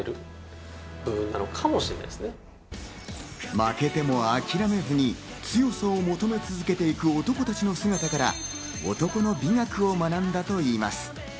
負けても諦めずに強さを求め続ける男たちの姿から、男の美学を学んだといいます。